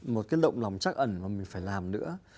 một cái lộng lòng chắc ẩn mà mình phải làm nữa